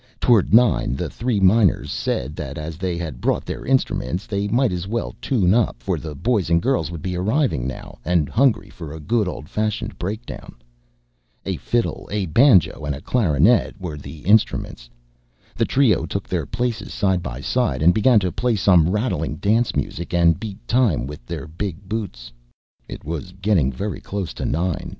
Toward nine the three miners said that as they had brought their instruments they might as well tune up, for the boys and girls would soon be arriving now, and hungry for a good, old fashioned break down. A fiddle, a banjo, and a clarinet these were the instruments. The trio took their places side by side, and began to play some rattling dance music, and beat time with their big boots. It was getting very close to nine.